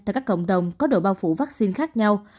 tại các cộng đồng có độ bao phủ vaccine khác nhau